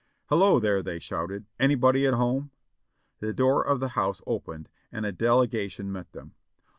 "Hello, there!" they shouted, "anybody at home?" The door of the house opened and a delegation met them.